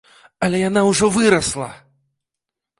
Але яна ўжо вырасла!